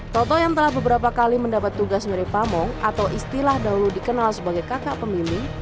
toto yang telah beberapa kali mendapat tugas mirip pamong atau istilah dahulu dikenal sebagai kakak pemilih